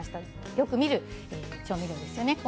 よく見る調味料ですね。